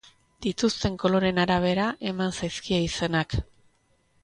Dituzten koloreen arabera eman zaizkie izenak.